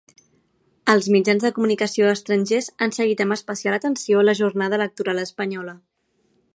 Els mitjans de comunicació estrangers han seguit amb especial atenció la jornada electoral espanyola.